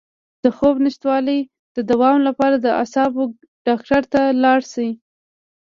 د خوب د نشتوالي د دوام لپاره د اعصابو ډاکټر ته لاړ شئ